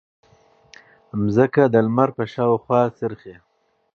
ځمکه د لمر په شاوخوا څرخي.